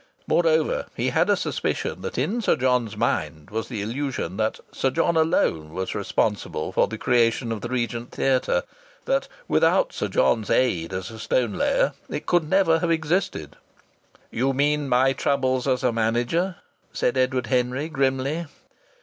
Moreover, he had a suspicion that in Sir John's mind was the illusion that Sir John alone was responsible for the creation of the Regent Theatre that without Sir John's aid as a stone layer it could never have existed. "You mean my troubles as a manager?" said Edward Henry, grimly.